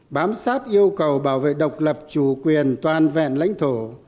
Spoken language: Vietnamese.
bám sát yêu cầu bảo vệ độc lập chủ quyền toàn vẹn lãnh thổ